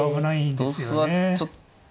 同歩はちょっと。